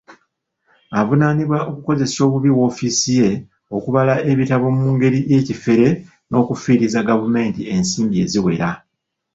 Avunaanibwa okukozesa obubi woofiisi ye, okubala ebitabo mu ngeri y'ekifere n'okufiiriza gavumenti ensimbi eziwera.